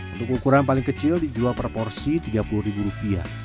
untuk ukuran paling kecil dijual per porsi rp tiga puluh